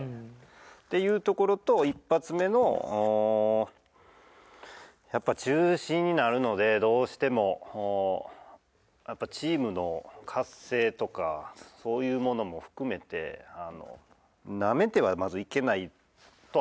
っていうところと１発目のやっぱ中心になるのでどうしてもチームの活性とかそういうものも含めてなめてはいけないとは思うんですよ。